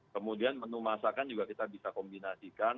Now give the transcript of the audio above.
kemudian menu masakan juga kita bisa kombinasikan